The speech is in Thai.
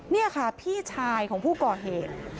นี่ค่ะพี่ชายของผู้ก่อเหตุ